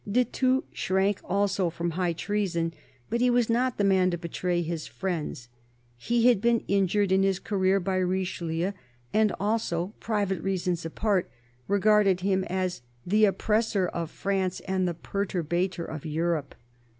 De Thou shrank also from high treason, but he was not the man to betray his friends; he had been injured in his career by Richelieu, and also, private reasons apart, regarded him as " the oppressor of France and the perturbator of Europe."